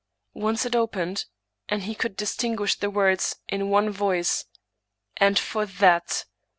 Once it opened, and he could distinguish the words, in one voice, " And for that!